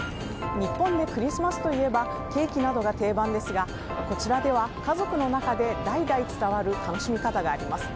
日本でクリスマスといえばケーキなどが定番ですがこちらでは、家族の中で代々伝わる楽しみ方があります。